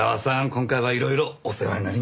今回はいろいろお世話になりました。